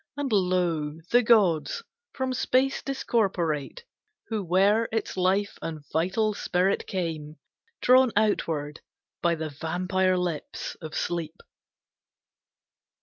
And, lo, the gods, from space discorporate, Who were its life and vital spirit, came, Drawn outward by the vampire lips of Sleep!